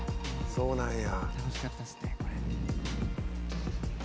そうなんや。